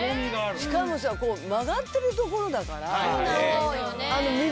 しかもさ曲がってる所だから。